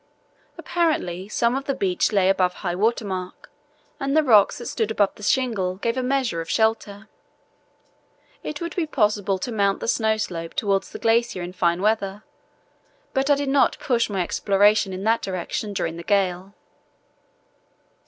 Apparently, some of the beach lay above high water mark and the rocks that stood above the shingle gave a measure of shelter. It would be possible to mount the snow slope towards the glacier in fine weather, but I did not push my exploration in that direction during the gale.